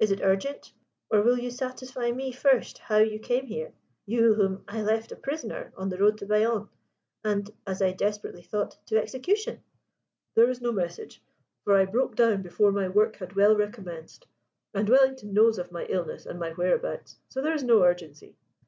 Is it urgent? Or will you satisfy me first how you came here you, whom I left a prisoner on the road to Bayonne and, as I desperately thought, to execution?" "There is no message, for I broke down before my work had well recommenced; and Wellington knows of my illness and my whereabouts, so there is no urgency."